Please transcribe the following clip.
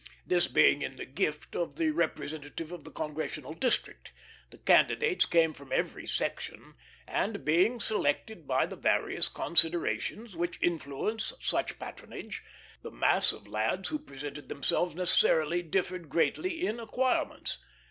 This being in the gift of the representative of the congressional district, the candidates came from every section; and, being selected by the various considerations which influence such patronage, the mass of lads who presented themselves necessarily differed greatly in acquirements.